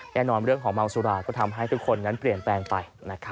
แน่นอนเรื่องของเมาสุราก็ทำให้ทุกคนนั้นเปลี่ยนแปลงไป